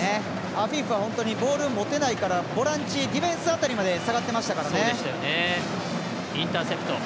アフィフは本当にボール持てないからボランチ、ディフェンス辺りまで下がってましたからね。